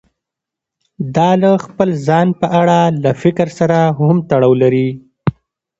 دا له خپل ځان په اړه له فکر سره هم تړاو لري.